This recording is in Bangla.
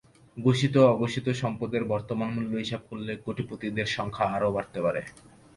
ঘোষিত-অঘোষিত সম্পদের বর্তমান মূল্য হিসাব করলে কোটিপতিদের সংখ্যা আরও বাড়তে পারে।